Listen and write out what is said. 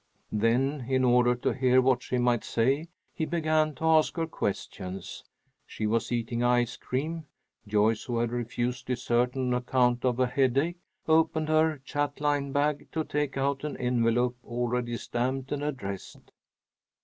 Then, in order to hear what she might say, he began to ask her questions. She was eating ice cream. Joyce, who had refused dessert on account of a headache, opened her chatelaine bag to take out an envelope already stamped and addressed.